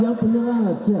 yang benar aja